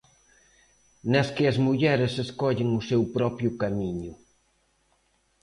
Nas que as mulleres escollen o seu propio camiño.